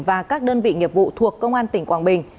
và các đơn vị nghiệp vụ thuộc công an tỉnh quảng bình